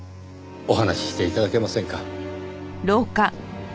お話しして頂けませんか。